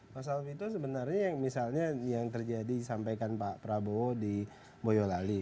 mas alvito sebenarnya yang misalnya yang terjadi disampaikan pak prabowo di boyolali